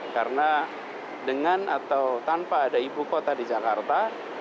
karena dengan atau tanpa ada ibukota di jakarta